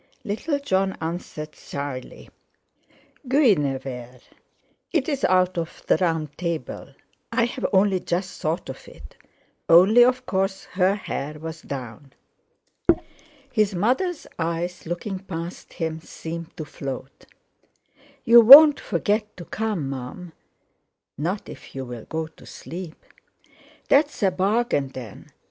Little Jon answered shyly: "Guinevere! it's out of the Round Table—I've only just thought of it, only of course her hair was down." His mother's eyes, looking past him, seemed to float. "You won't forget to come, Mum?" "Not if you'll go to sleep." "That's a bargain, then."